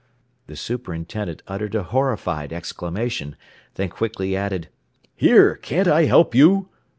The superintendent uttered a horrified exclamation, then quickly added: "Here, can't I help you?"